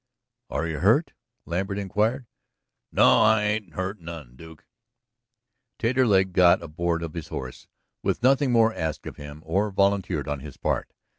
"Are you hurt?" Lambert inquired. "No, I ain't hurt none, Duke." Taterleg got aboard of his horse with nothing more asked of him or volunteered on his part.